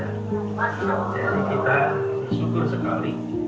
jadi kita bersyukur sekali